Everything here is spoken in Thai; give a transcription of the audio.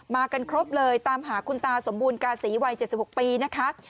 กันครบเลยตามหาคุณตาสมบูรณกาศีวัย๗๖ปีนะคะ